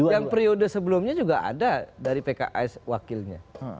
yang periode sebelumnya juga ada dari pks wakilnya